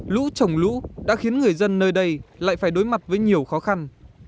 lũ trồng lũ đã khiến người dân nơi đây lại phải đối mặt với nhiều khó khăn